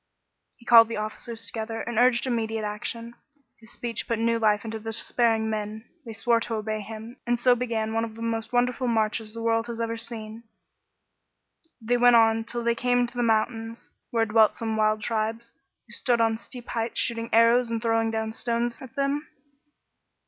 He called the officers together ; he urged im mediate action. His speech put new life into the despairing men ; they swore to obey him, and so began one of the most wonderful marches the world has ever seen. They went on till they cariie to the mountains, where dwelt some wild tribes, who stood on steep heights shooting arrows and throwing down stones at them.